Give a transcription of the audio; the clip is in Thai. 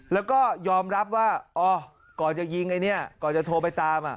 แล้วก็ยอมรับว่าอ๋อก่อนจะยิงไอ้เนี่ยก่อนจะโทรไปตาม